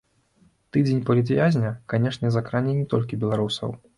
Тыдзень палітвязня, канешне, закране не толькі беларусаў.